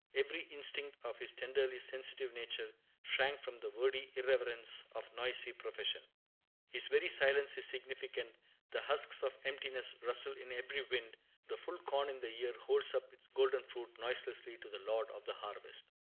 Every instinct of his tenderly sensitive nature shrank from the wordy irreverence of noisy profession. His very silence is significant: the husks of emptiness rustle in every wind; the full corn in the ear holds up its golden fruit noiselessly to the Lord of the harvest.